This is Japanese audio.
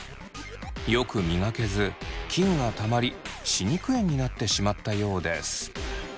よく磨けず菌がたまり歯肉炎になってしまったようです。